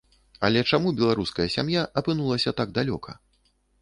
Але чаму беларуская сям'я апынулася так далёка?